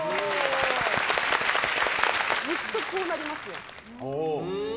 ずっとこうなりますね。